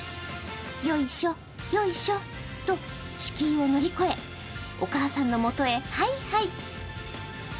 よいしょ、よいしょと敷居を乗り越えお母さんのもとへハイハイ。